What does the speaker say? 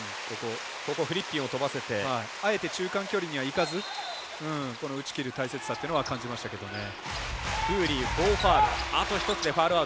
フリッピンを跳ばせてあえて中間距離にはいかず打ち切る大切さっていうのは感じましたけどね。